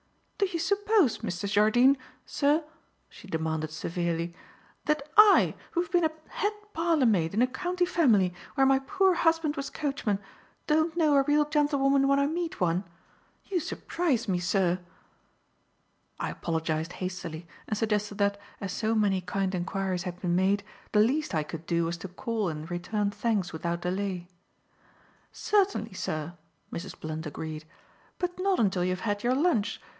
"Do you suppose, Mr. Jardine, sir," she demanded severely, "that I who have been a head parlour maid in a county family where my poor husband was coachman, don't know a real gentlewoman when I meet one? You surprise me, sir." I apologized hastily and suggested that, as so many kind enquiries had been made, the least I could do was to call and return thanks without delay. "Certainly, sir," Mrs. Blunt agreed; "but not until you have had your lunch.